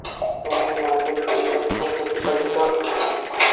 তিনি মাতুল কর্তৃক প্রতিপালিত হন।